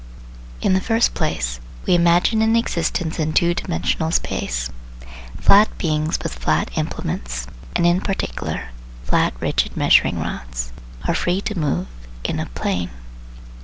In the first place, we imagine an existence in two dimensional space. Flat beings with flat implements, and in particular flat rigid measuring rods, are free to move in a plane.